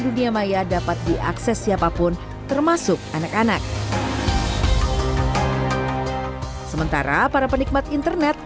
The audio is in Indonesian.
dunia maya dapat diakses siapapun termasuk anak anak sementara para penikmat internet